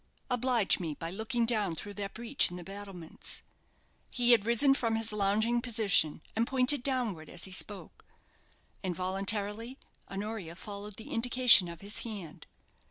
"Oblige me by looking down through that breach in the battlements." He had risen from his lounging position, and pointed downward as he spoke. Involuntarily Honoria followed the indication of his hand.